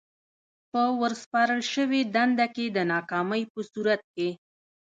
په ورسپارل شوې دنده کې د ناکامۍ په صورت کې.